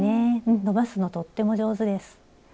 うん伸ばすのとっても上手です。